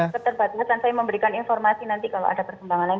keterbatasan saya memberikan informasi nanti kalau ada perkembangan lain